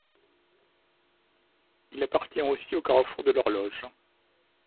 Il appartient aussi au Carrefour de l'horloge.